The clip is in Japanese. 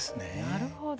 なるほど。